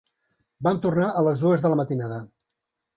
Vam tornar a les dues de la matinada.